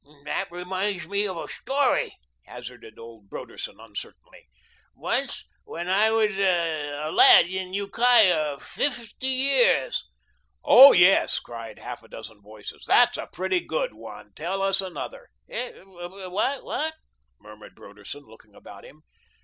"That reminds me of a story," hazarded old Broderson uncertainly; "once when I was a lad in Ukiah, fifty years." "Oh, yes," cried half a dozen voices, "THAT'S a pretty good one. Tell us another." "Eh wh what?" murmured Broderson, looking about him.